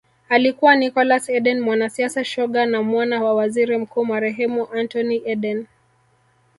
Alikuwa Nicholas Eden mwanasiasa shoga na mwana wa Waziri Mkuu marehemu Anthony Eden